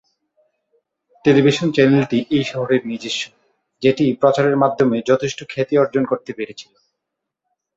Television চ্যানেলটি এই শহরের নিজস্ব, যেটি প্রচারের মাধ্যমে যথেষ্ট খ্যাতি অর্জন করতে পেরেছিল।